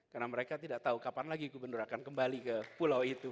karena mereka tidak tahu kapan lagi gubernur akan kembali ke pulau itu